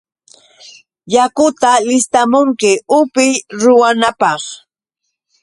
¡Yakuta listamunki upiy ruwanapaq!